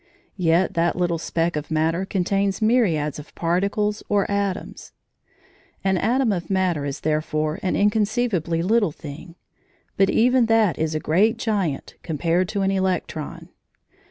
Yet that little speck of matter contains myriads of particles or atoms. An atom of matter is therefore an inconceivably little thing, but even that is a great giant compared to an electron.